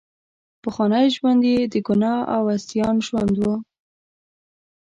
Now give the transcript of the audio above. پخوانی ژوند یې د ګناه او عصیان ژوند وو.